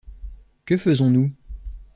Que faisons-nous ?